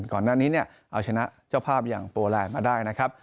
ก่อนหน้านี้เนี่ยเอาชนะเจ้าภาพอย่างโปแลนด์มาได้นะครับ